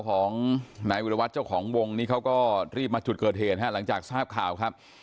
ของนายวิรวัตรเจ้าของวงนี้เขาก็รีบมาจุดเกิดเหตุฮะหลังจากทราบข่าวครับ